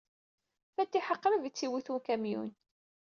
Fatiḥa qrib ay tt-iwit ukamyun.